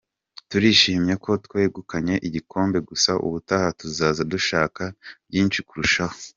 Turishimye ko twegukanye igikombe gusa ubutaha tuzaza duashaka byinshi kurushaho.